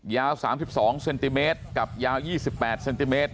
ยาวสามสิบสองเซนติเมตร